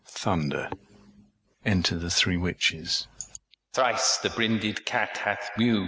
Thunder. Enter the three Witches First Witch Thrice the brinded cat hath mew'd.